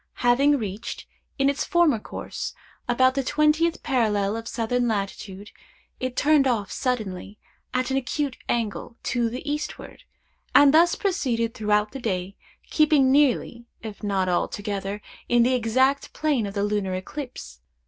Having reached, in its former course, about the twentieth parallel of southern latitude, it turned off suddenly, at an acute angle, to the eastward, and thus proceeded throughout the day, keeping nearly, if not altogether, in the exact plane of the lunar ellipse.